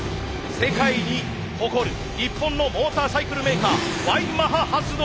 世界に誇る日本のモーターサイクルメーカーＹマハ発動機。